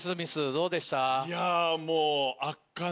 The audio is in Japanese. どうでした？